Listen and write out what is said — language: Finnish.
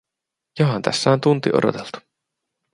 Johan tässä on tunti odoteltu.